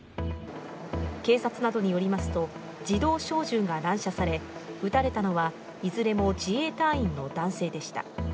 警察などによりますと自動小銃が乱射され、撃たれたのは、いずれも自衛隊員の男性でした。